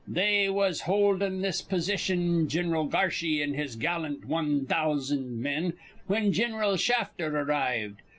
They was holdin' this position Gin'ral Garshy an' his gallant wan thousan' men whin Gin'ral Shafter arrived.